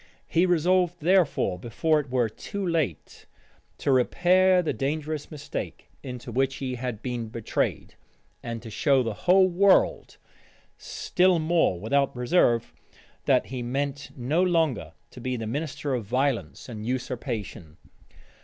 He resolved, therefore, before it were too late, to repair the dangerous mistake into which he had been betrayed, and to show the whole world, still more without reserve, that he meant no longer to be the minister of violence and usurpation.